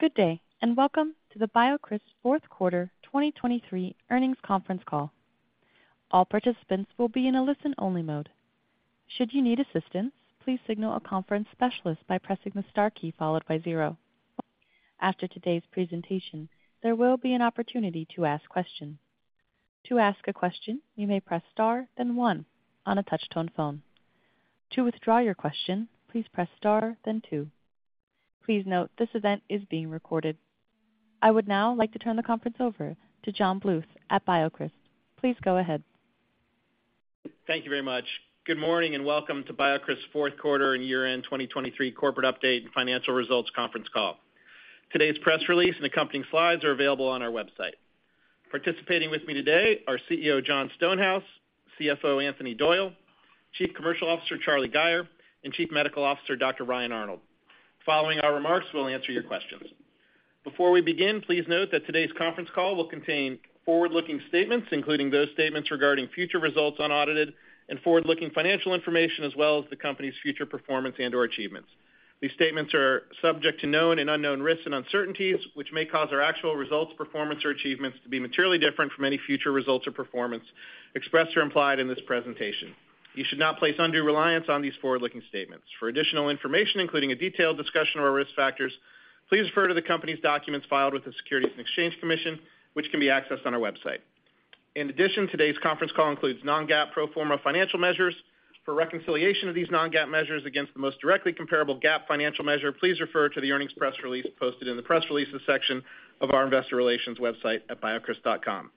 Good day, and welcome to the BioCryst fourth quarter 2023 earnings conference call. All participants will be in a listen-only mode. Should you need assistance, please signal a conference specialist by pressing the star key followed by zero. After today's presentation, there will be an opportunity to ask questions. To ask a question, you may press Star, then one on a touch-tone phone. To withdraw your question, please press Star, then two. Please note, this event is being recorded. I would now like to turn the conference over to John Bluth at BioCryst. Please go ahead. Thank you very much. Good morning, and welcome to BioCryst's fourth quarter and year-end 2023 corporate update and financial results conference call. Today's press release and accompanying slides are available on our website. Participating with me today are CEO, Jon Stonehouse, CFO, Anthony Doyle, Chief Commercial Officer, Charlie Gayer, and Chief Medical Officer, Dr. Ryan Arnold. Following our remarks, we'll answer your questions. Before we begin, please note that today's conference call will contain forward-looking statements, including those statements regarding future results on audited and forward-looking financial information, as well as the company's future performance and/or achievements. These statements are subject to known and unknown risks and uncertainties, which may cause our actual results, performance, or achievements to be materially different from any future results or performance expressed or implied in this presentation. You should not place undue reliance on these forward-looking statements. For additional information, including a detailed discussion of our risk factors, please refer to the company's documents filed with the Securities and Exchange Commission, which can be accessed on our website. In addition, today's conference call includes Non-GAAP pro forma financial measures. For reconciliation of these Non-GAAP measures against the most directly comparable GAAP financial measure, please refer to the earnings press release posted in the Press Releases section of our investor relations website at biocryst.com.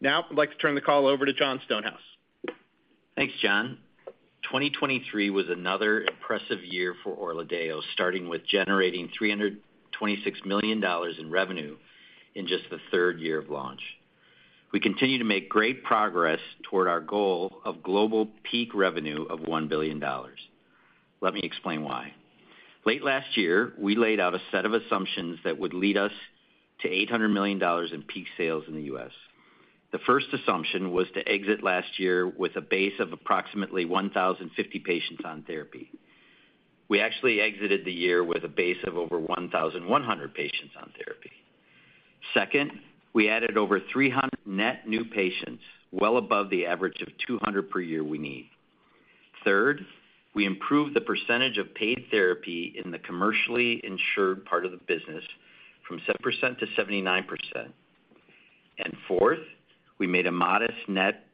Now, I'd like to turn the call over to Jon Stonehouse. Thanks, John. 2023 was another impressive year for ORLADEYO, starting with generating $326 million in revenue in just the third year of launch. We continue to make great progress toward our goal of global peak revenue of $1 billion. Let me explain why. Late last year, we laid out a set of assumptions that would lead us to $800 million in peak sales in the U.S. The first assumption was to exit last year with a base of approximately 1,050 patients on therapy. We actually exited the year with a base of over 1,100 patients on therapy. Second, we added over 300 net new patients, well above the average of 200 per year we need. Third, we improved the percentage of paid therapy in the commercially insured part of the business from 7% to 79%. Fourth, we made a modest net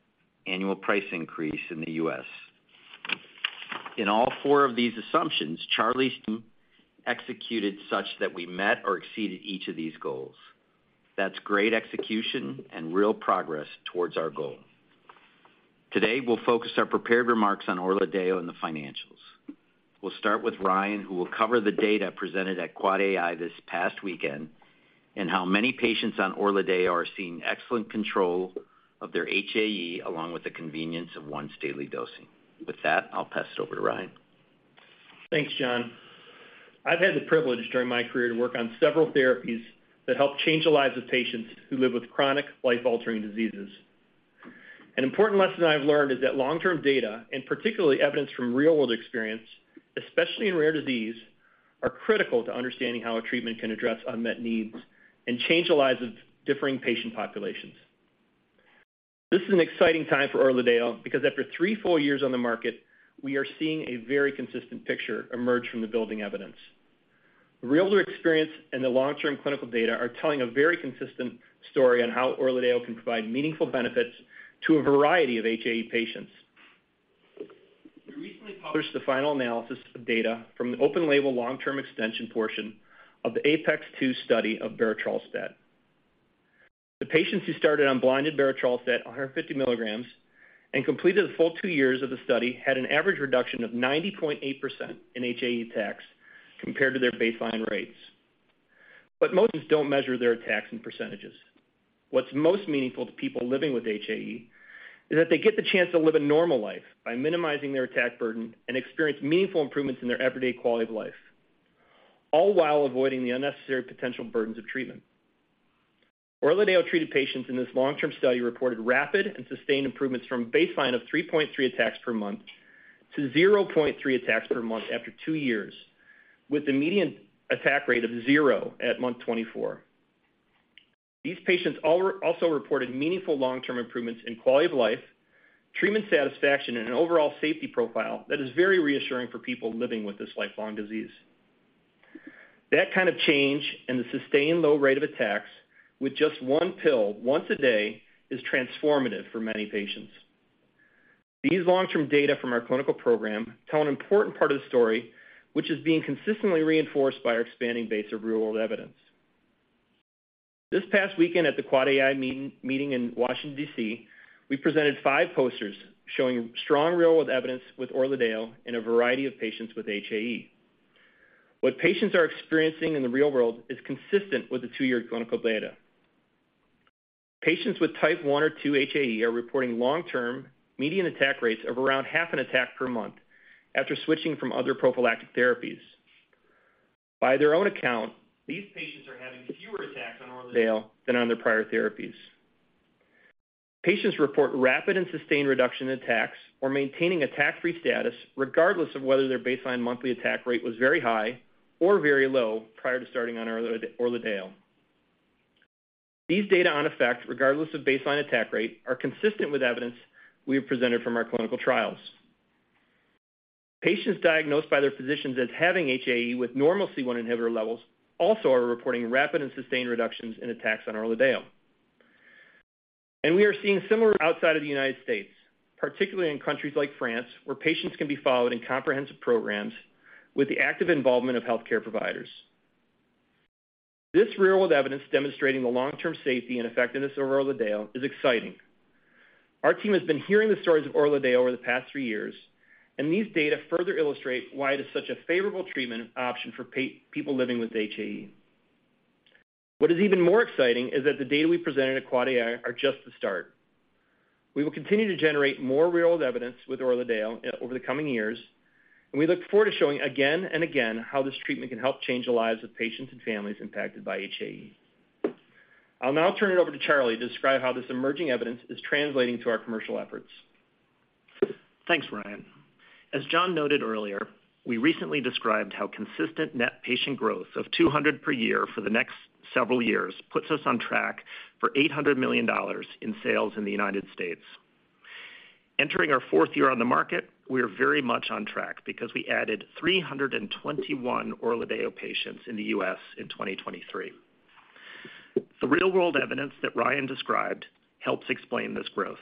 annual price increase in the U.S. In all four of these assumptions, Charlie's team executed such that we met or exceeded each of these goals. That's great execution and real progress towards our goal. Today, we'll focus our prepared remarks on ORLADEYO and the financials. We'll start with Ryan, who will cover the data presented at Quad AI this past weekend, and how many patients on ORLADEYO are seeing excellent control of their HAE, along with the convenience of once-daily dosing. With that, I'll pass it over to Ryan. Thanks, John. I've had the privilege during my career to work on several therapies that help change the lives of patients who live with chronic, life-altering diseases. An important lesson I've learned is that long-term data, and particularly evidence from real-world experience, especially in rare disease, are critical to understanding how a treatment can address unmet needs and change the lives of differing patient populations. This is an exciting time for ORLADEYO because after three full years on the market, we are seeing a very consistent picture emerge from the building evidence. The real-world experience and the long-term clinical data are telling a very consistent story on how ORLADEYO can provide meaningful benefits to a variety of HAE patients. We recently published the final analysis of data from the open-label, long-term extension portion of the APeX-2 study of berotralstat. The patients who started on blinded berotralstat, 150 milligrams, and completed the full 2 years of the study, had an average reduction of 90.8% in HAE attacks compared to their baseline rates. But most don't measure their attacks in percentages. What's most meaningful to people living with HAE is that they get the chance to live a normal life by minimizing their attack burden and experience meaningful improvements in their everyday quality of life, all while avoiding the unnecessary potential burdens of treatment. ORLADEYO-treated patients in this long-term study reported rapid and sustained improvements from a baseline of 3.3-0.3 attacks per month after 2 years, with the median attack rate of 0 at month 24. These patients also reported meaningful long-term improvements in quality of life, treatment satisfaction, and an overall safety profile that is very reassuring for people living with this lifelong disease. That kind of change and the sustained low rate of attacks with just one pill, once a day, is transformative for many patients. These long-term data from our clinical program tell an important part of the story, which is being consistently reinforced by our expanding base of real-world evidence. This past weekend at the Quad AI meeting, meeting in Washington, D.C., we presented five posters showing strong real-world evidence with ORLADEYO in a variety of patients with HAE. What patients are experiencing in the real world is consistent with the two-year clinical data. Patients with type one or two HAE are reporting long-term median attack rates of around half an attack per month after switching from other prophylactic therapies. By their own account, these patients are having fewer attacks on ORLADEYO than on their prior therapies. Patients report rapid and sustained reduction in attacks or maintaining attack-free status, regardless of whether their baseline monthly attack rate was very high or very low prior to starting on ORLADEYO. These data on effect, regardless of baseline attack rate, are consistent with evidence we have presented from our clinical trials. Patients diagnosed by their physicians as having HAE with normal C1 inhibitor levels also are reporting rapid and sustained reductions in attacks on ORLADEYO. And we are seeing similar outside of the United States, particularly in countries like France, where patients can be followed in comprehensive programs with the active involvement of healthcare providers. This real-world evidence demonstrating the long-term safety and effectiveness of ORLADEYO is exciting. Our team has been hearing the stories of ORLADEYO over the past three years, and these data further illustrate why it is such a favorable treatment option for people living with HAE. What is even more exciting is that the data we presented at Quad AI are just the start. We will continue to generate more real-world evidence with ORLADEYO over the coming years, and we look forward to showing again and again how this treatment can help change the lives of patients and families impacted by HAE. I'll now turn it over to Charlie to describe how this emerging evidence is translating to our commercial efforts. Thanks, Ryan. As John noted earlier, we recently described how consistent net patient growth of 200 per year for the next several years puts us on track for $800 million in sales in the United States. Entering our fourth year on the market, we are very much on track because we added 321 ORLADEYO patients in the US in 2023. The real-world evidence that Ryan described helps explain this growth.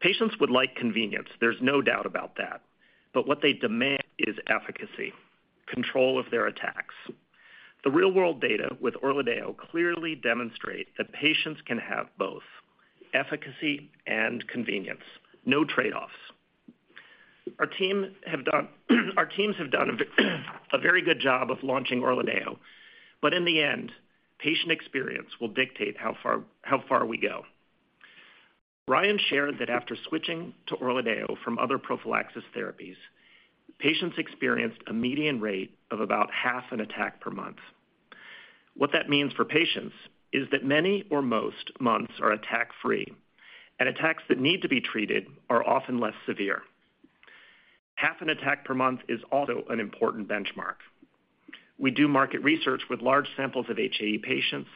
Patients would like convenience, there's no doubt about that, but what they demand is efficacy, control of their attacks. The real-world data with ORLADEYO clearly demonstrate that patients can have both efficacy and convenience. No trade-offs. Our team have done, our teams have done a very good job of launching ORLADEYO, but in the end, patient experience will dictate how far we go. Ryan shared that after switching to ORLADEYO from other prophylaxis therapies, patients experienced a median rate of about half an attack per month. What that means for patients is that many or most months are attack-free, and attacks that need to be treated are often less severe. Half an attack per month is also an important benchmark. We do market research with large samples of HAE patients,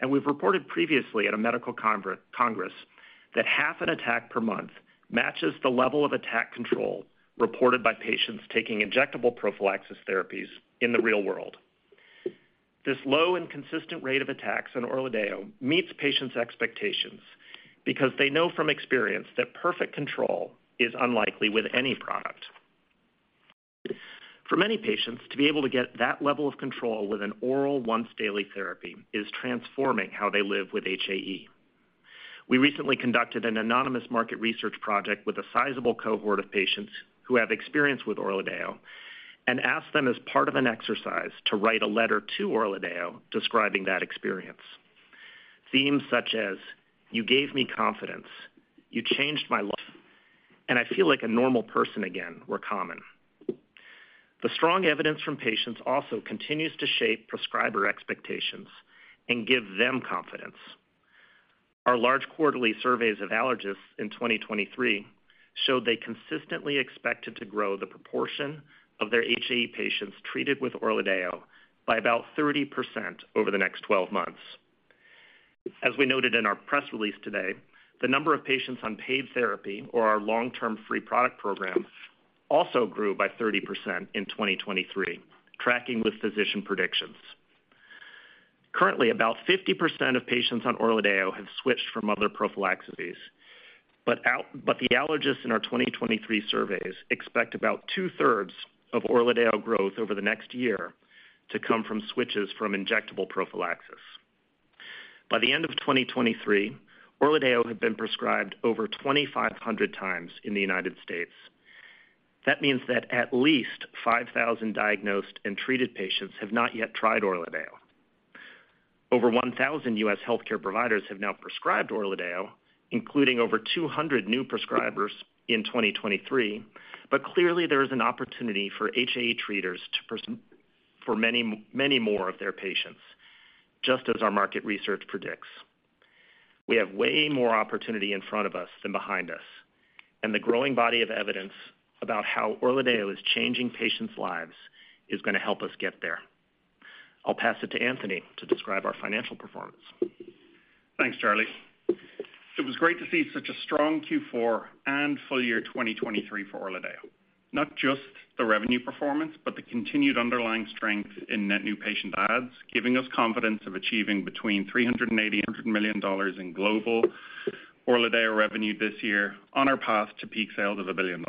and we've reported previously at a medical congress, that half an attack per month matches the level of attack control reported by patients taking injectable prophylaxis therapies in the real world. This low and consistent rate of attacks on ORLADEYO meets patients' expectations because they know from experience that perfect control is unlikely with any product. For many patients, to be able to get that level of control with an oral once-daily therapy is transforming how they live with HAE. We recently conducted an anonymous market research project with a sizable cohort of patients who have experience with ORLADEYO, and asked them as part of an exercise, to write a letter to ORLADEYO describing that experience. Themes such as: You gave me confidence, you changed my life, and I feel like a normal person again, were common. The strong evidence from patients also continues to shape prescriber expectations and give them confidence. Our large quarterly surveys of allergists in 2023 showed they consistently expected to grow the proportion of their HAE patients treated with ORLADEYO by about 30% over the next 12 months. As we noted in our press release today, the number of patients on paid therapy, or our long-term free product program, also grew by 30% in 2023, tracking with physician predictions. Currently, about 50% of patients on ORLADEYO have switched from other prophylaxes, but the allergists in our 2023 surveys expect about two-thirds of ORLADEYO growth over the next year to come from switches from injectable prophylaxis. By the end of 2023, ORLADEYO had been prescribed over 2,500 times in the United States. That means that at least 5,000 diagnosed and treated patients have not yet tried ORLADEYO. Over 1,000 U.S. healthcare providers have now prescribed ORLADEYO, including over 200 new prescribers in 2023. But clearly, there is an opportunity for HAE treaters to prescribe for many, many more of their patients, just as our market research predicts. We have way more opportunity in front of us than behind us, and the growing body of evidence about how ORLADEYO is changing patients' lives is going to help us get there. I'll pass it to Anthony to describe our financial performance. Thanks, Charlie. It was great to see such a strong Q4 and full year 2023 for ORLADEYO. Not just the revenue performance, but the continued underlying strength in net new patient adds, giving us confidence of achieving between $380 million and $800 million in global ORLADEYO revenue this year on our path to peak sales of $1 billion.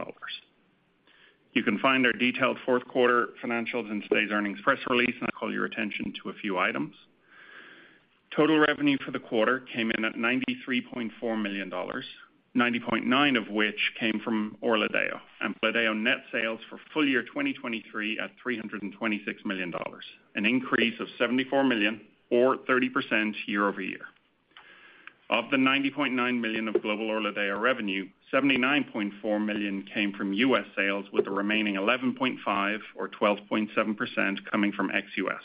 You can find our detailed fourth quarter financials in today's earnings press release, and I call your attention to a few items. Total revenue for the quarter came in at $93.4 million, $90.9 million of which came from ORLADEYO, and ORLADEYO net sales for full year 2023 at $326 million, an increase of $74 million or 30% year-over-year. Of the $90.9 million of global ORLADEYO revenue, $79.4 million came from U.S. sales, with the remaining 11.5 or 12.7% coming from ex-U.S.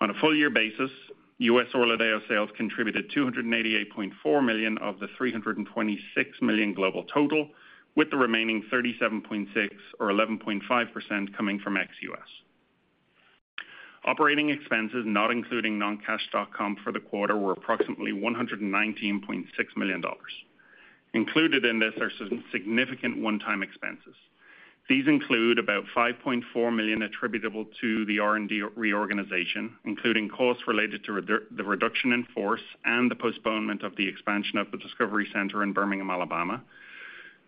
...On a full year basis, US ORLADEYO sales contributed $288.4 million of the $326 million global total, with the remaining $37.6 million or 11.5% coming from ex-US. Operating expenses, not including non-cash stock comp for the quarter, were approximately $119.6 million. Included in this are significant one-time expenses. These include about $5.4 million attributable to the R&D reorganization, including costs related to the reduction in force and the postponement of the expansion of the Discovery Center in Birmingham, Alabama.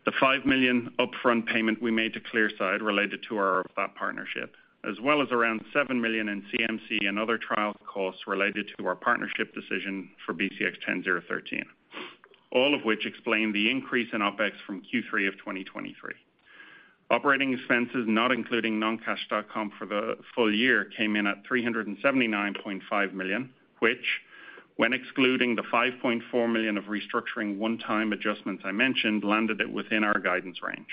The $5 million upfront payment we made to ClearSide related to our partnership, as well as around $7 million in CMC and other trial costs related to our partnership decision for BCX10013, all of which explain the increase in OpEx from Q3 of 2023. Operating expenses, not including non-cash stock comp for the full year, came in at $379.5 million, which, when excluding the $5.4 million of restructuring one-time adjustments I mentioned, landed it within our guidance range.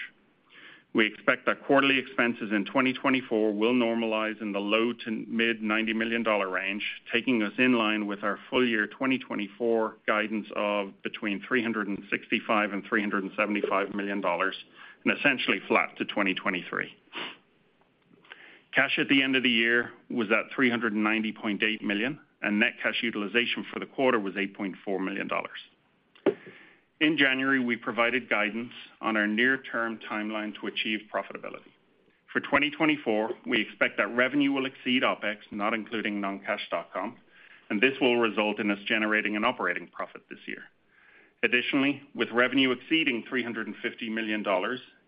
We expect that quarterly expenses in 2024 will normalize in the low- to mid-$90 million range, taking us in line with our full year 2024 guidance of between $365 and $375 million, and essentially flat to 2023. Cash at the end of the year was at $390.8 million, and net cash utilization for the quarter was $8.4 million. In January, we provided guidance on our near-term timeline to achieve profitability. For 2024, we expect that revenue will exceed OpEx, not including non-cash stock comp, and this will result in us generating an operating profit this year. Additionally, with revenue exceeding $350 million,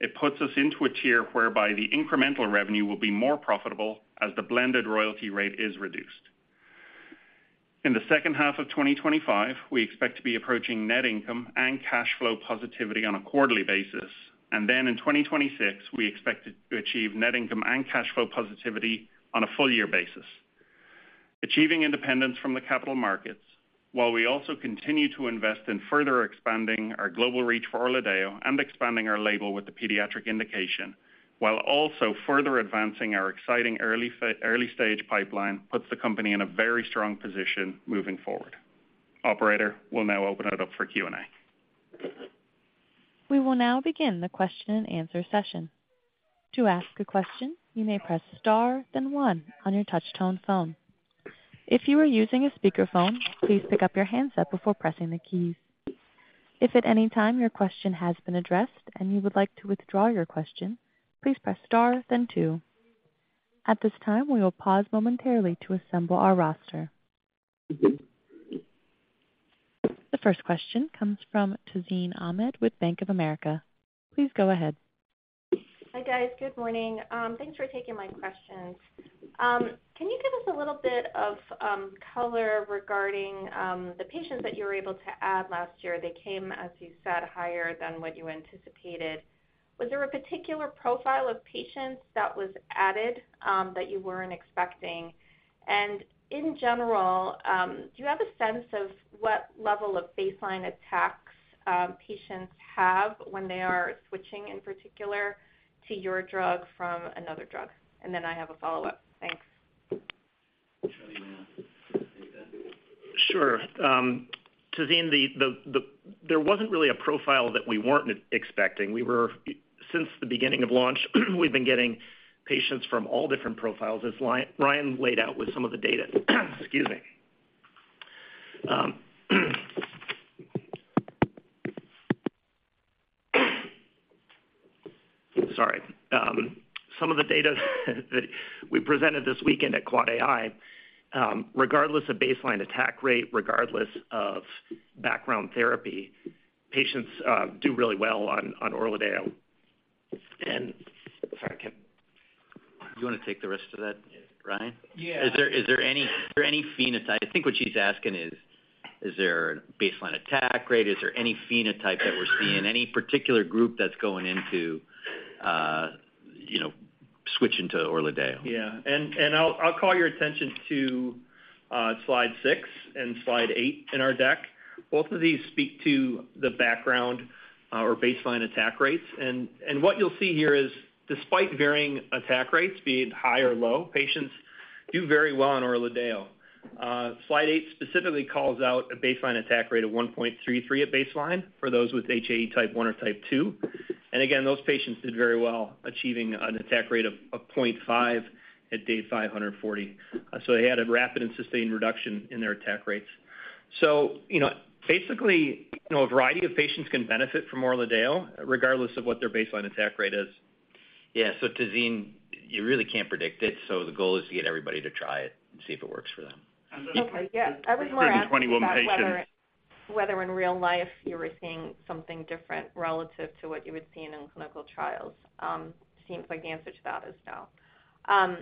it puts us into a tier whereby the incremental revenue will be more profitable as the blended royalty rate is reduced. In the second half of 2025, we expect to be approaching net income and cash flow positivity on a quarterly basis, and then in 2026, we expect to achieve net income and cash flow positivity on a full year basis. Achieving independence from the capital markets, while we also continue to invest in further expanding our global reach for ORLADEYO and expanding our label with the pediatric indication, while also further advancing our exciting early stage pipeline, puts the company in a very strong position moving forward. Operator, we'll now open it up for Q&A. We will now begin the question and answer session. To ask a question, you may press Star, then one on your touch tone phone. If you are using a speakerphone, please pick up your handset before pressing the keys. If at any time your question has been addressed and you would like to withdraw your question, please press Star then two. At this time, we will pause momentarily to assemble our roster. The first question comes from Tazeen Ahmad with Bank of America. Please go ahead. Hi, guys. Good morning. Thanks for taking my questions. Can you give us a little bit of color regarding the patients that you were able to add last year? They came, as you said, higher than what you anticipated. Was there a particular profile of patients that was added that you weren't expecting? And in general, do you have a sense of what level of baseline attacks patients have when they are switching, in particular, to your drug from another drug? And then I have a follow-up. Thanks. Sure. Tazeen, there wasn't really a profile that we weren't expecting. Since the beginning of launch, we've been getting patients from all different profiles, as Ryan laid out with some of the data. Excuse me. Sorry. Some of the data that we presented this weekend at Quad AI, regardless of baseline attack rate, regardless of background therapy, patients do really well on ORLADEYO. And... Sorry, Ken. Do you want to take the rest of that, Ryan? Yeah. Is there any phenotype? I think what she's asking is: Is there a baseline attack rate? Is there any phenotype that we're seeing, any particular group that's going into, you know, switching to ORLADEYO? Yeah. And, and I'll, I'll call your attention to slide 6 and slide 8 in our deck. Both of these speak to the background or baseline attack rates. And, and what you'll see here is, despite varying attack rates, be it high or low, patients do very well on ORLADEYO. Slide eight specifically calls out a baseline attack rate of 1.33 at baseline for those with HAE type one or type two. And again, those patients did very well, achieving an attack rate of 0.5 at day 540. So they had a rapid and sustained reduction in their attack rates. So, you know, basically, you know, a variety of patients can benefit from ORLADEYO, regardless of what their baseline attack rate is. Yeah, so Tazeen, you really can't predict it, so the goal is to get everybody to try it and see if it works for them. Okay, yeah. I was wondering- Twenty-one patients. Whether in real life you were seeing something different relative to what you would see in a clinical trials? Seems like the answer to that is no.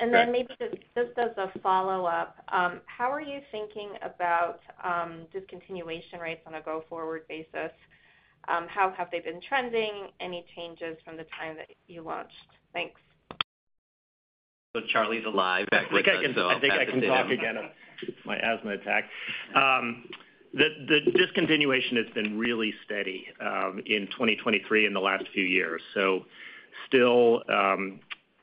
And then maybe just as a follow-up, how are you thinking about discontinuation rates on a go-forward basis? How have they been trending? Any changes from the time that you launched? Thanks. So, Charlie's alive, back with us. I think I can, I think I can talk again. My asthma attack. The discontinuation has been really steady in 2023 and the last few years. So-...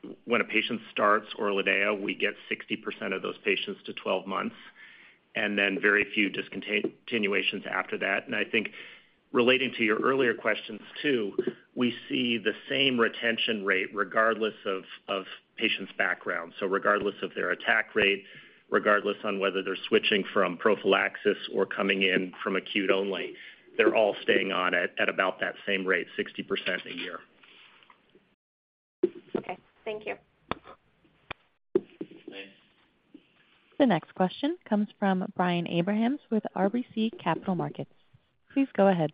Still, when a patient starts ORLADEYO, we get 60% of those patients to 12 months, and then very few discontinuation after that. And I think relating to your earlier questions, too, we see the same retention rate regardless of patient's background. So regardless of their attack rate, regardless on whether they're switching from prophylaxis or coming in from acute only, they're all staying on it at about that same rate, 60% a year. Okay. Thank you. Thanks. The next question comes from Brian Abrahams with RBC Capital Markets. Please go ahead.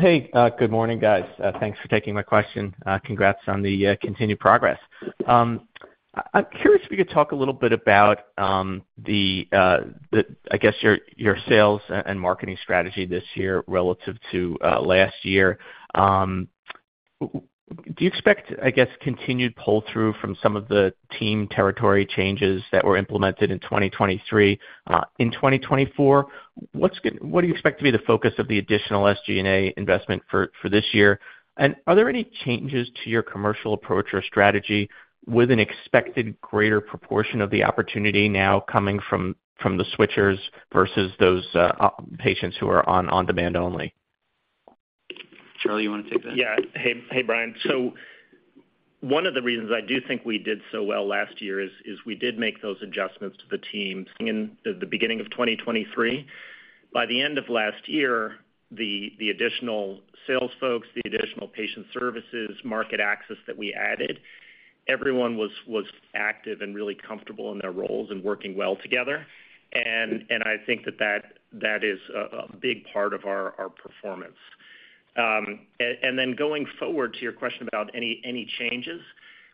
Hey, good morning, guys. Thanks for taking my question. Congrats on the continued progress. I'm curious if you could talk a little bit about, I guess, your sales and marketing strategy this year relative to last year. Do you expect, I guess, continued pull-through from some of the team territory changes that were implemented in 2023 in 2024? What do you expect to be the focus of the additional SG&A investment for this year? And are there any changes to your commercial approach or strategy with an expected greater proportion of the opportunity now coming from the switchers versus those patients who are on-demand only? Charlie, you want to take that? Yeah. Hey, Brian. So one of the reasons I do think we did so well last year is we did make those adjustments to the team in the beginning of 2023. By the end of last year, the additional sales folks, the additional patient services, market access that we added, everyone was active and really comfortable in their roles and working well together. And I think that is a big part of our performance. And then going forward, to your question about any changes.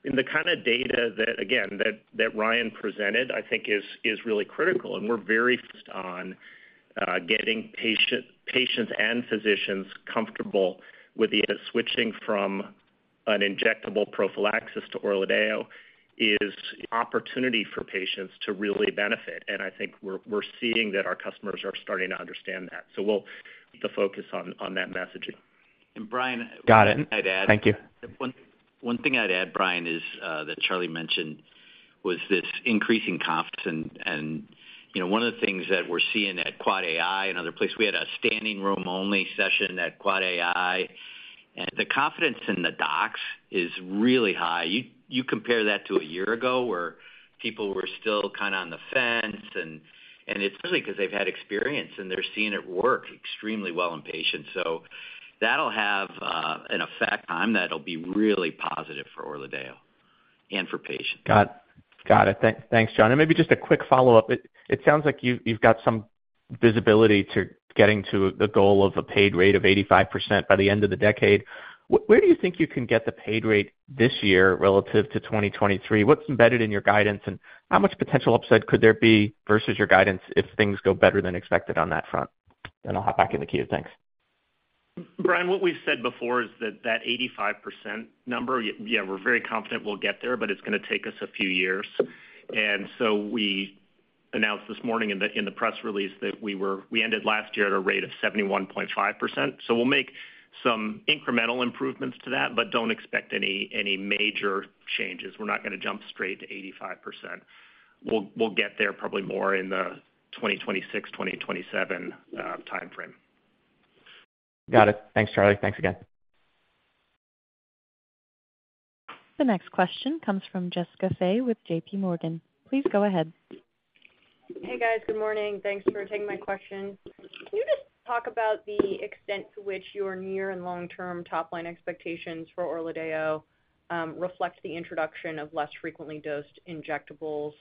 In the kind of data that, again, that Ryan presented, I think is really critical, and we're very focused on getting patients and physicians comfortable with the idea of switching from an injectable prophylaxis to ORLADEYO is opportunity for patients to really benefit. And I think we're seeing that our customers are starting to understand that. So we'll keep the focus on that messaging. And, Brian- Got it. One thing I'd add- Thank you. One thing I'd add, Brian, is that Charlie mentioned, this increasing confidence. And you know, one of the things that we're seeing at Quad AI and other places, we had a standing room only session at Quad AI, and the confidence in the docs is really high. You compare that to a year ago, where people were still kind of on the fence, and it's really because they've had experience, and they're seeing it work extremely well in patients. So that'll have an effect on, that'll be really positive for ORLADEYO and for patients. Got it. Got it. Thanks, John. And maybe just a quick follow-up. It sounds like you've got some visibility to getting to the goal of a paid rate of 85% by the end of the decade. Where do you think you can get the paid rate this year relative to 2023? What's embedded in your guidance, and how much potential upside could there be versus your guidance if things go better than expected on that front? Then I'll hop back in the queue. Thanks. Brian, what we've said before is that eighty-five percent number, yeah, we're very confident we'll get there, but it's gonna take us a few years. So we announced this morning in the press release that we ended last year at a rate of 71.5%. We'll make some incremental improvements to that, but don't expect any major changes. We're not gonna jump straight to 85%. We'll get there probably more in the 2026-2027 timeframe. Got it. Thanks, Charlie. Thanks again. The next question comes from Jessica Fye with JP Morgan. Please go ahead. Hey, guys. Good morning. Thanks for taking my question. Can you just talk about the extent to which your near and long-term top-line expectations for ORLADEYO, reflects the introduction of less frequently dosed injectables,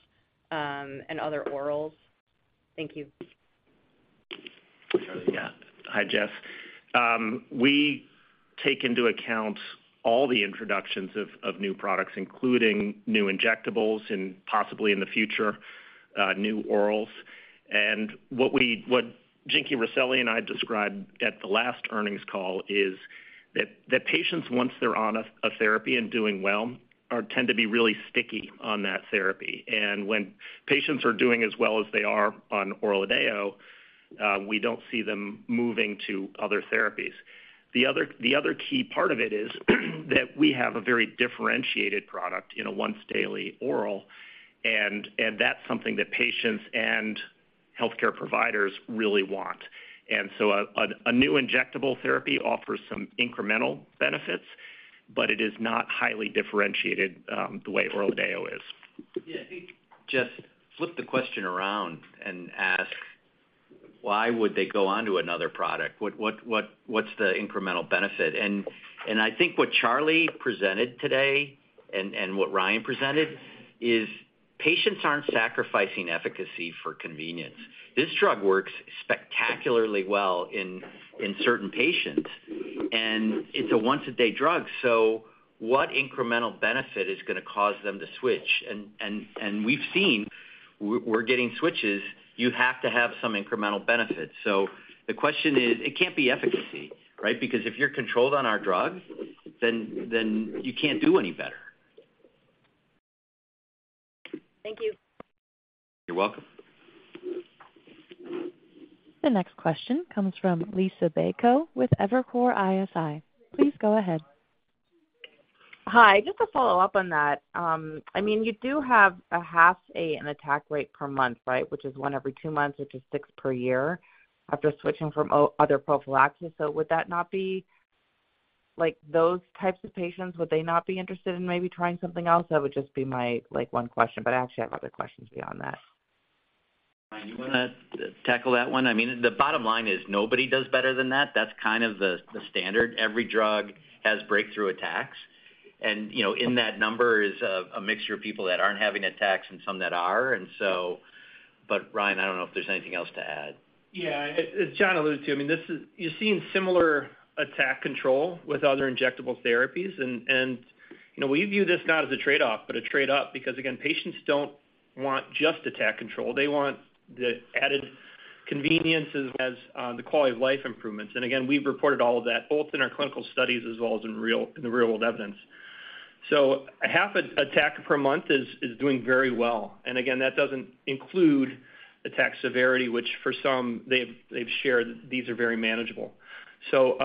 and other orals? Thank you. Yeah. Hi, Jess. We take into account all the introductions of new products, including new injectables and possibly in the future new orals. And what we—what Jinky Rosselli and I described at the last earnings call is that patients, once they're on a therapy and doing well, tend to be really sticky on that therapy. And when patients are doing as well as they are on ORLADEYO, we don't see them moving to other therapies. The other key part of it is that we have a very differentiated product in a once-daily oral, and that's something that patients and healthcare providers really want. And so a new injectable therapy offers some incremental benefits, but it is not highly differentiated the way ORLADEYO is. Yeah, I think, just flip the question around and ask: Why would they go on to another product? What's the incremental benefit? And I think what Charlie presented today, and what Ryan presented, is patients aren't sacrificing efficacy for convenience. This drug works spectacularly well in certain patients, and it's a once-a-day drug, so what incremental benefit is gonna cause them to switch? And we've seen, we're getting switches, you have to have some incremental benefits. So the question is... It can't be efficacy, right? Because if you're controlled on our drug, then you can't do any better.... Thank you. You're welcome. The next question comes from Liisa Bayko with Evercore ISI. Please go ahead. Hi. Just to follow up on that, I mean, you do have half an attack rate per month, right? Which is one every two months, which is six per year after switching from other prophylaxis. So would that not be, like, those types of patients, would they not be interested in maybe trying something else? That would just be my, like, one question, but I actually have other questions beyond that. You wanna tackle that one? I mean, the bottom line is nobody does better than that. That's kind of the standard. Every drug has breakthrough attacks. And, you know, in that number is a mixture of people that aren't having attacks and some that are. And so. But Ryan, I don't know if there's anything else to add. Yeah, as John alludes to, I mean, this is, you're seeing similar attack control with other injectable therapies. And, you know, we view this not as a trade-off, but a trade-up, because again, patients don't want just attack control, they want the added convenience as, the quality of life improvements. And again, we've reported all of that, both in our clinical studies as well as in the real-world evidence. So a half attack per month is doing very well. And again, that doesn't include attack severity, which for some, they've shared, these are very manageable. So,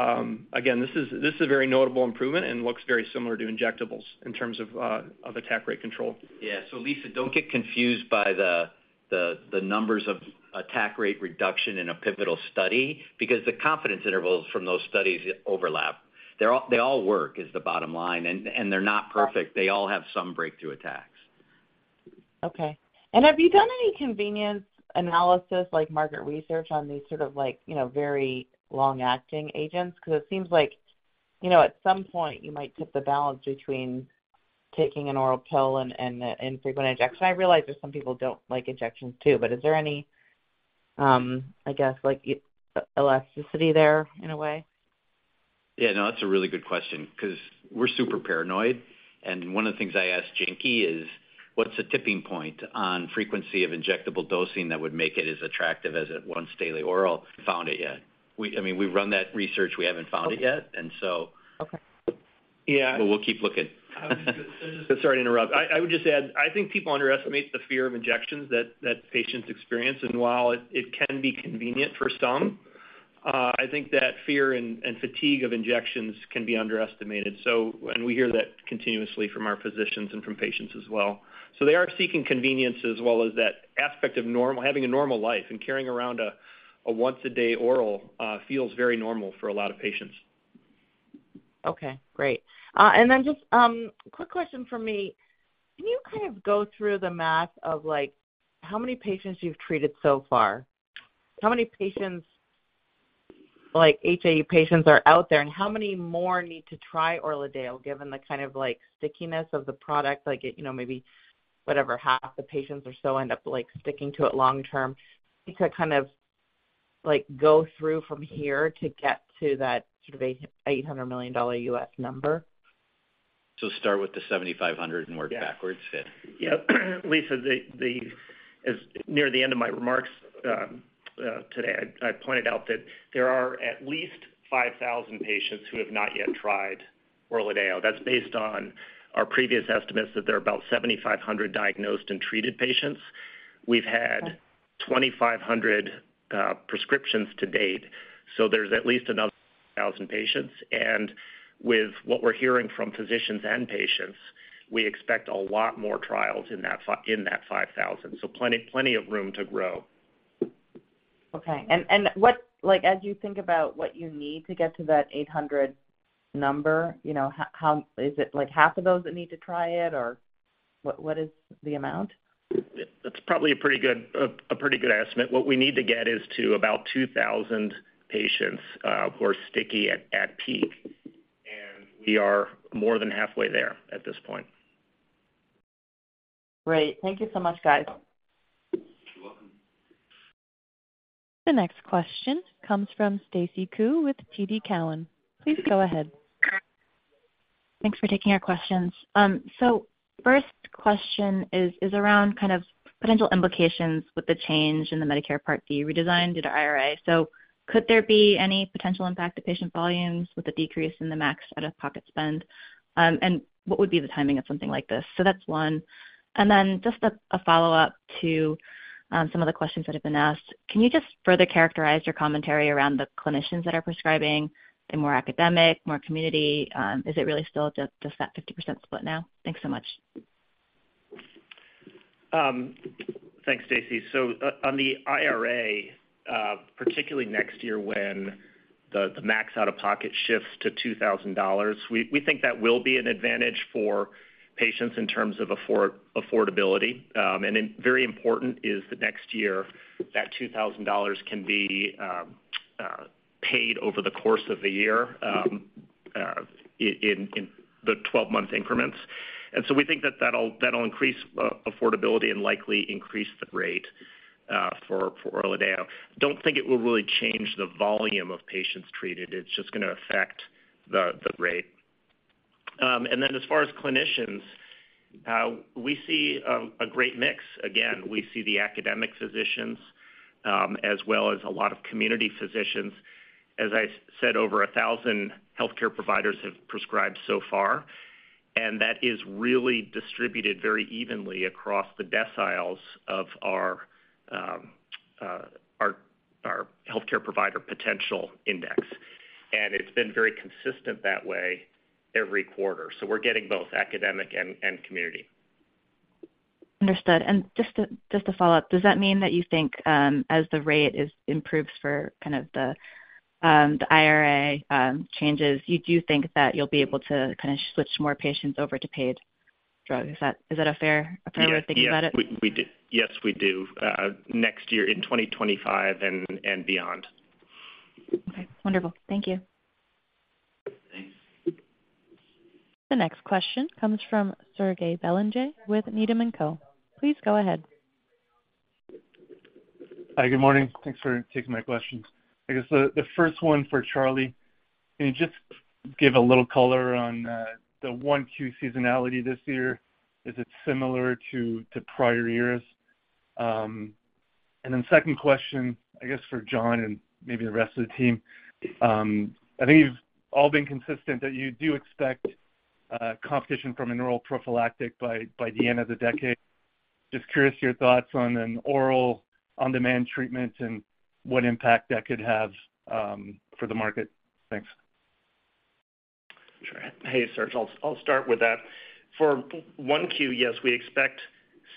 again, this is a very notable improvement and looks very similar to injectables in terms of attack rate control. Yeah. So Lisa, don't get confused by the numbers of attack rate reduction in a pivotal study, because the confidence intervals from those studies overlap. They're all, they all work, is the bottom line, and they're not perfect. They all have some breakthrough attacks. Okay. And have you done any convenience analysis, like market research, on these sort of like, you know, very long-acting agents? Because it seems like, you know, at some point, you might tip the balance between taking an oral pill and infrequent injections. I realize that some people don't like injections, too, but is there any, I guess, like, elasticity there in a way? Yeah, no, that's a really good question because we're super paranoid, and one of the things I asked Jinky is, what's the tipping point on frequency of injectable dosing that would make it as attractive as a once daily oral? Found it yet. We-- I mean, we've run that research, we haven't found it yet, and so- Okay. Yeah, but we'll keep looking. Sorry to interrupt. I would just add, I think people underestimate the fear of injections that patients experience, and while it can be convenient for some, I think that fear and fatigue of injections can be underestimated. So, and we hear that continuously from our physicians and from patients as well. So they are seeking convenience as well as that aspect of normal, having a normal life and carrying around a once-a-day oral, feels very normal for a lot of patients. Okay, great. And then just, quick question from me: Can you kind of go through the math of, like, how many patients you've treated so far? How many patients, like, HAE patients are out there, and how many more need to try ORLADEYO, given the kind of, like, stickiness of the product? Like, you know, maybe whatever, half the patients or so end up, like, sticking to it long term. You could kind of, like, go through from here to get to that sort of $800 million U.S. number. Start with the 7,500 and work backwards? Yeah. Lisa, as near the end of my remarks today, I pointed out that there are at least 5,000 patients who have not yet tried ORLADEYO. That's based on our previous estimates that there are about 7,500 diagnosed and treated patients. We've had 2,500 prescriptions to date, so there's at least another 1,000 patients. And with what we're hearing from physicians and patients, we expect a lot more trials in that five thousand. So plenty, plenty of room to grow. Okay. And what, like, as you think about what you need to get to that 800 number, you know, how is it like half of those that need to try it, or what? What is the amount? That's probably a pretty good estimate. What we need to get is to about 2,000 patients, who are sticky at peak, and we are more than halfway there at this point. Great. Thank you so much, guys. You're welcome. The next question comes from Stacy Ku with TD Cowen. Please go ahead. Thanks for taking our questions. So first question is around kind of potential implications with the change in the Medicare Part D redesign due to IRA. So could there be any potential impact to patient volumes with the decrease in the max out-of-pocket spend? And what would be the timing of something like this? So that's one. And then just a follow-up to some of the questions that have been asked. Can you just further characterize your commentary around the clinicians that are prescribing, the more academic, more community? Is it really still just that 50% split now? Thanks so much. Thanks, Stacy. So on the IRA, particularly next year when the max out-of-pocket shifts to $2,000, we think that will be an advantage for patients in terms of affordability. And then very important is that next year, that $2,000 can be paid over the course of the year in 12-month increments. So we think that that'll increase affordability and likely increase the rate for ORLADEYO. Don't think it will really change the volume of patients treated. It's just gonna affect the rate. And then as far as clinicians, we see a great mix. Again, we see the academic physicians as well as a lot of community physicians. As I said, over 1,000 healthcare providers have prescribed so far, and that is really distributed very evenly across the deciles of our healthcare provider potential index. It's been very consistent that way every quarter. We're getting both academic and community. Understood. And just to follow up, does that mean that you think as the rebate rate improves for kind of the IRA changes, you do think that you'll be able to kinda switch more patients over to Part D drug? Is that a fair- Yeah way of thinking about it? We, we do. Yes, we do. Next year, in 2025 and beyond. Okay, wonderful. Thank you. Thanks. The next question comes from Serge Belanger with Needham and Co. Please go ahead. Hi, good morning. Thanks for taking my questions. I guess the first one for Charlie. Can you just give a little color on the 1Q seasonality this year? Is it similar to prior years? And then second question, I guess, for John and maybe the rest of the team. I think you've all been consistent that you do expect competition from an oral prophylactic by the end of the decade. Just curious your thoughts on an oral on-demand treatment and what impact that could have for the market. Thanks. Sure. Hey, Serge, I'll start with that. For Q1, yes, we expect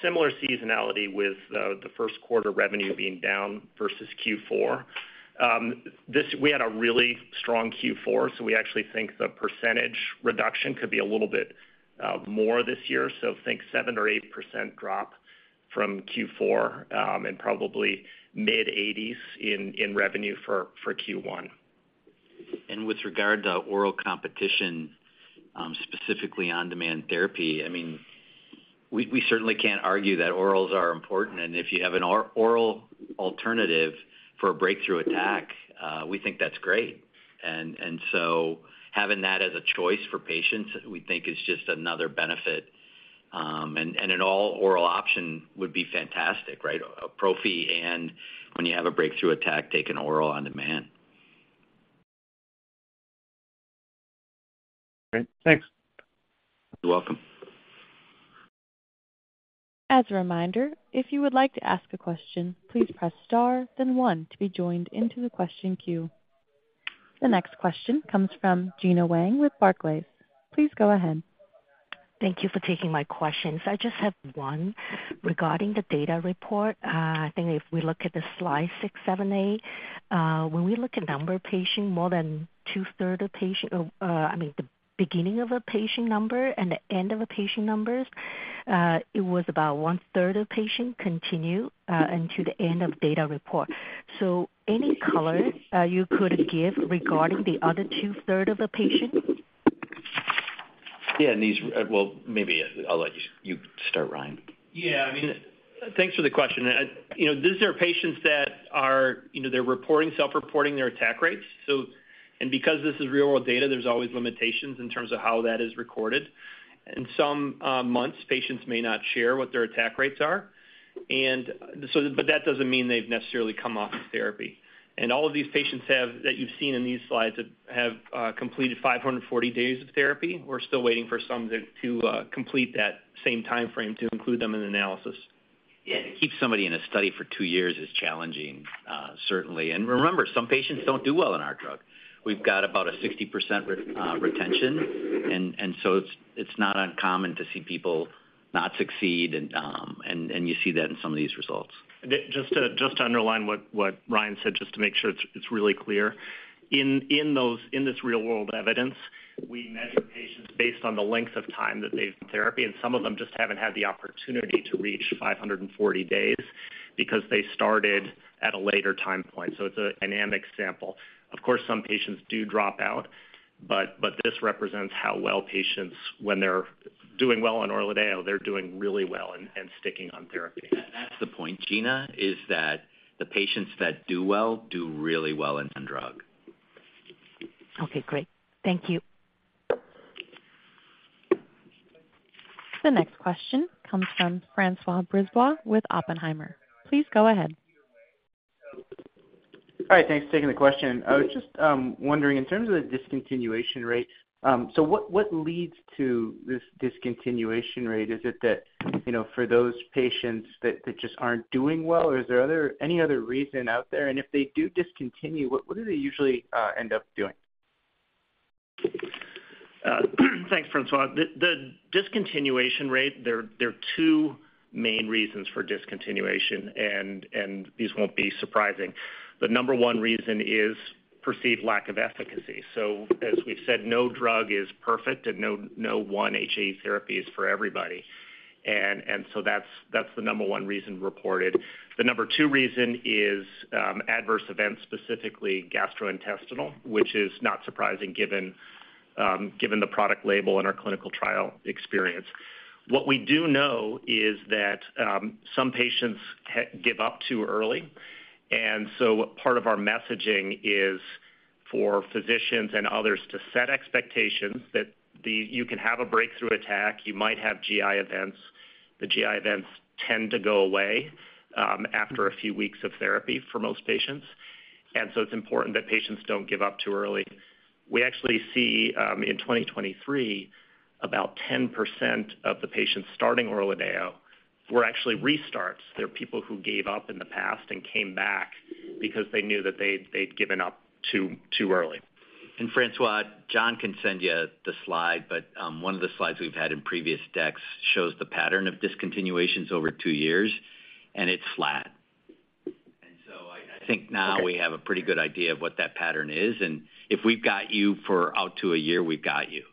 similar seasonality with the first quarter revenue being down versus Q4. This, we had a really strong Q4, so we actually think the percentage reduction could be a little bit more this year. So think 7%-8% drop from Q4, and probably mid-80s in revenue for Q1. And with regard to oral competition, specifically on-demand therapy, I mean, we certainly can't argue that orals are important. And if you have an oral alternative for a breakthrough attack, we think that's great. And so having that as a choice for patients, we think is just another benefit, and an all-oral option would be fantastic, right? A prophy, and when you have a breakthrough attack, take an oral on demand. Great. Thanks. You're welcome. As a reminder, if you would like to ask a question, please press Star, then one to be joined into the question queue. The next question comes from Gena Wang with Barclays. Please go ahead. Thank you for taking my questions. I just have one regarding the data report. I think if we look at the slide 6, 7, 8, when we look at number of patient, more than two-thirds of patient-- or, I mean, the beginning of a patient number and the end of a patient numbers, it was about one-third of patient continue until the end of data report. So any color you could give regarding the other two-thirds of the patient? Yeah, and these, well, maybe I'll let you start, Ryan. Yeah, I mean, thanks for the question. You know, these are patients that are... You know, they're reporting, self-reporting their attack rates. So, because this is real-world data, there's always limitations in terms of how that is recorded. In some months, patients may not share what their attack rates are, and so, but that doesn't mean they've necessarily come off of therapy. All of these patients have, that you've seen in these slides, have completed 540 days of therapy. We're still waiting for some to complete that same timeframe to include them in the analysis. Yeah, to keep somebody in a study for two years is challenging, certainly. And remember, some patients don't do well on our drug. We've got about a 60% retention, and so it's not uncommon to see people not succeed, and you see that in some of these results. Just to underline what Ryan said, just to make sure it's really clear. In this real-world evidence, we measure patients based on the length of time that they've therapy, and some of them just haven't had the opportunity to reach 540 days because they started at a later time point. So it's a dynamic sample. Of course, some patients do drop out, but this represents how well patients, when they're doing well on ORLADEYO, they're doing really well and sticking on therapy. That's the point, Gina, is that the patients that do well, do really well on drug. Okay, great. Thank you. The next question comes from Francois Brisebois with Oppenheimer. Please go ahead. Hi, thanks for taking the question. I was just wondering, in terms of the discontinuation rate, so what, what leads to this discontinuation rate? Is it that, you know, for those patients that, that just aren't doing well, or is there any other reason out there? And if they do discontinue, what, what do they usually end up doing? Thanks, Francois. The discontinuation rate, there are two main reasons for discontinuation, and these won't be surprising. The number one reason is perceived lack of efficacy. So as we've said, no drug is perfect and no one HA therapy is for everybody. And so that's the number one reason reported. The number two reason is adverse events, specifically gastrointestinal, which is not surprising, given the product label and our clinical trial experience. What we do know is that some patients give up too early, and so part of our messaging is for physicians and others to set expectations that you can have a breakthrough attack, you might have GI events. The GI events tend to go away after a few weeks of therapy for most patients, and so it's important that patients don't give up too early. We actually see in 2023, about 10% of the patients starting oral ORLADEYO were actually restarts. They're people who gave up in the past and came back because they knew that they'd given up too early. And Francois, John can send you the slide, but, one of the slides we've had in previous decks shows the pattern of discontinuations over two years, and it's flat. And so I, I think now we have a pretty good idea of what that pattern is, and if we've got you for out to a year, we've got you.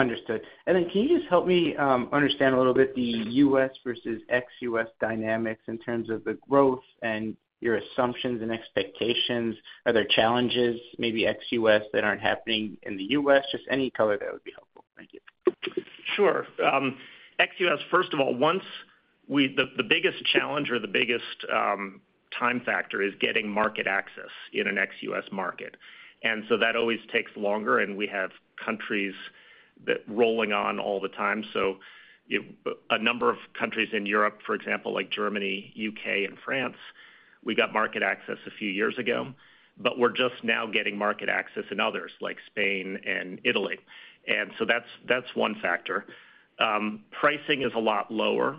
Understood. And then can you just help me understand a little bit the U.S. versus ex-U.S. dynamics in terms of the growth and your assumptions and expectations? Are there challenges, maybe ex-U.S., that aren't happening in the U.S.? Just any color there would be helpful. Thank you. Sure. Ex-US, first of all, the biggest challenge or the biggest time factor is getting market access in an ex-US market. And so that always takes longer, and we have countries that rolling on all the time. So a number of countries in Europe, for example, like Germany, UK, and France, we got market access a few years ago, but we're just now getting market access in others, like Spain and Italy. And so that's one factor. Pricing is a lot lower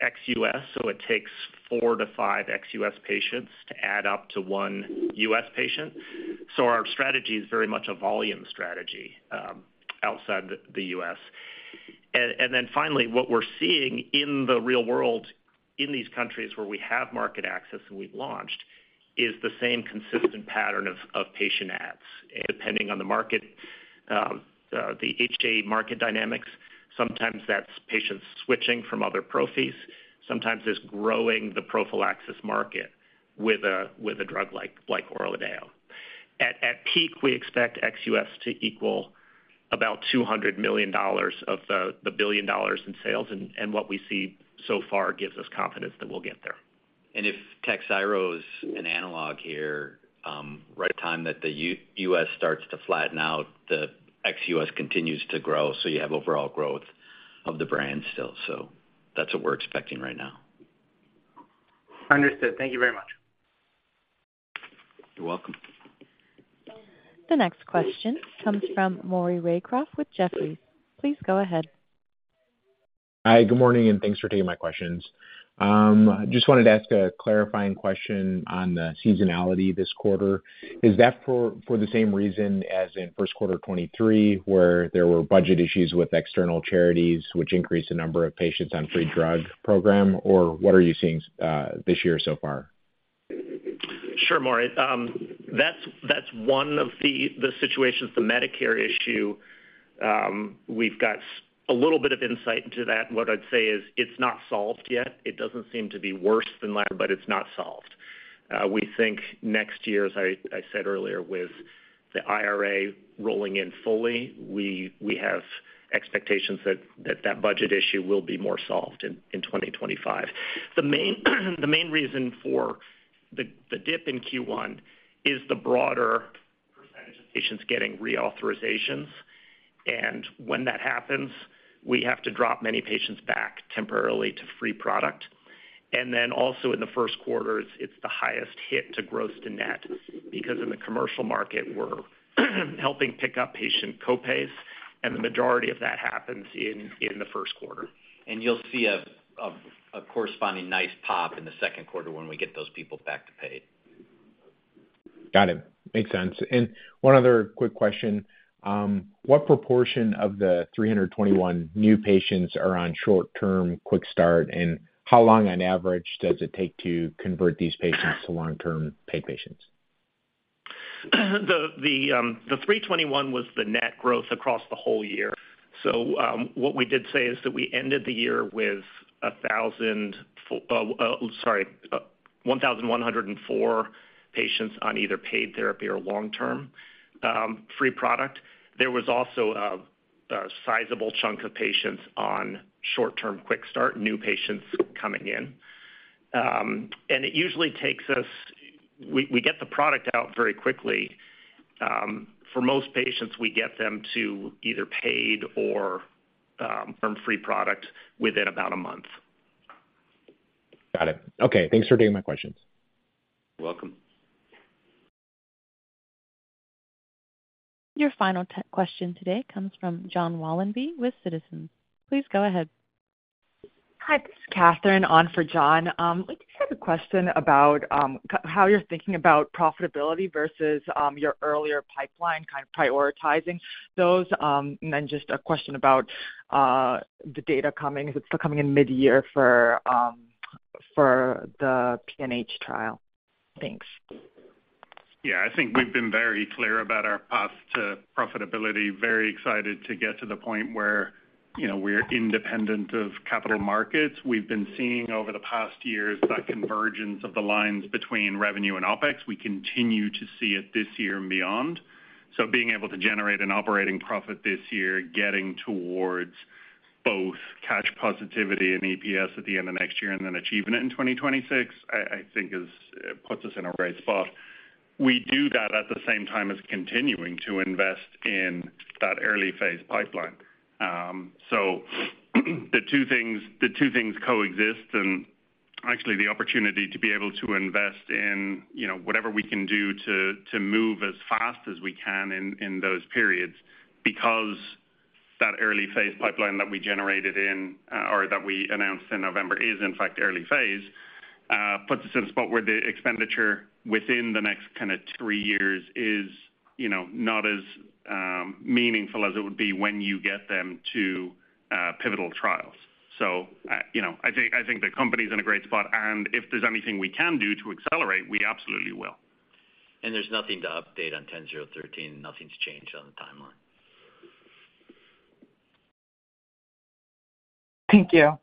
ex-US, so it takes 4-5 ex-US patients to add up to 1 US patient. So our strategy is very much a volume strategy outside the US. Finally, what we're seeing in the real world, in these countries where we have market access and we've launched, is the same consistent pattern of patient adds. Depending on the market, the HA market dynamics, sometimes that's patients switching from other prophys, sometimes it's growing the prophylaxis market with a drug like oral ORLADEYO. At peak, we expect ex-US to equal about $200 million of the $1 billion in sales, and what we see so far gives us confidence that we'll get there. If Takhzyro is an analog here, right at the time that the U.S. starts to flatten out, the ex-U.S. continues to grow, so you have overall growth of the brand still. So that's what we're expecting right now. Understood. Thank you very much. You're welcome. The next question comes from Maury Raycroft with Jefferies. Please go ahead. Hi, good morning, and thanks for taking my questions. Just wanted to ask a clarifying question on the seasonality this quarter. Is that for the same reason as in first quarter 2023, where there were budget issues with external charities, which increased the number of patients on free drug program? Or what are you seeing this year so far? Sure, Maury. That's one of the situations, the Medicare issue. We've got a little bit of insight into that. What I'd say is it's not solved yet. It doesn't seem to be worse than last, but it's not solved. We think next year, as I said earlier, with the IRA rolling in fully, we have expectations that that budget issue will be more solved in 2025. The main reason for the dip in Q1 is the broader percentage of patients getting reauthorizations, and when that happens, we have to drop many patients back temporarily to free product. And then also in the first quarter, it's the highest hit to gross to net, because in the commercial market, we're helping pick up patient co-pays, and the majority of that happens in the first quarter. You'll see a corresponding nice pop in the second quarter when we get those people back to paid. Got it. Makes sense. One other quick question: what proportion of the 321 new patients are on short-term quick start, and how long on average does it take to convert these patients to long-term paid patients? The 321 was the net growth across the whole year. So, what we did say is that we ended the year with 1,000, sorry, 1,104 patients on either paid therapy or long-term free product. There was also a sizable chunk of patients on short-term quick start, new patients coming in. And it usually takes us. We get the product out very quickly. For most patients, we get them to either paid or from free product within about a month. Got it. Okay, thanks for taking my questions. You're welcome. Your final question today comes from John Wollenben with Citizens. Please go ahead. Hi, this is Catherine on for John. I just have a question about how you're thinking about profitability versus your earlier pipeline, kind of prioritizing those. And then just a question about the data coming, if it's still coming in mid-year for the PNH trial. Thanks. Yeah, I think we've been very clear about our path to profitability. Very excited to get to the point where, you know, we're independent of capital markets. We've been seeing over the past years, that convergence of the lines between revenue and OpEx. We continue to see it this year and beyond. So being able to generate an operating profit this year, getting towards-... both cash positivity and EPS at the end of next year and then achieving it in 2026, I think puts us in a great spot. We do that at the same time as continuing to invest in that early phase pipeline. So the two things, the two things coexist, and actually the opportunity to be able to invest in, you know, whatever we can do to move as fast as we can in those periods, because that early phase pipeline that we generated in or that we announced in November is in fact early phase puts us in a spot where the expenditure within the next kind of three years is, you know, not as meaningful as it would be when you get them to pivotal trials. So, you know, I think, I think the company's in a great spot, and if there's anything we can do to accelerate, we absolutely will. There's nothing to update on BCX10013. Nothing's changed on the timeline. Thank you.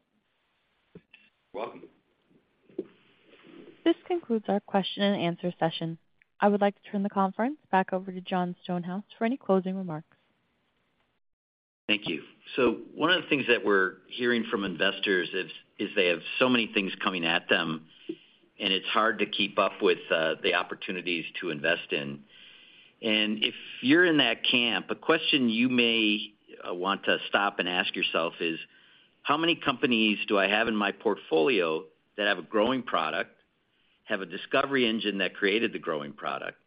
Welcome. This concludes our question and answer session. I would like to turn the conference back over to Jon Stonehouse for any closing remarks. Thank you. So one of the things that we're hearing from investors is they have so many things coming at them, and it's hard to keep up with the opportunities to invest in. And if you're in that camp, a question you may want to stop and ask yourself is, how many companies do I have in my portfolio that have a growing product, have a discovery engine that created the growing product,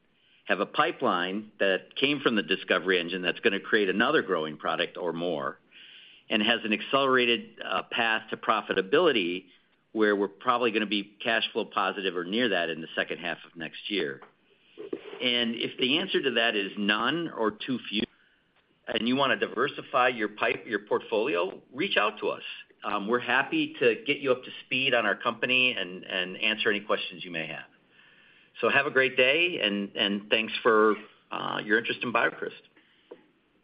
have a pipeline that came from the discovery engine that's going to create another growing product or more, and has an accelerated path to profitability, where we're probably going to be cash flow positive or near that in the second half of next year? And if the answer to that is none or too few, and you want to diversify your portfolio, reach out to us. We're happy to get you up to speed on our company and answer any questions you may have. So have a great day, and thanks for your interest in BioCryst.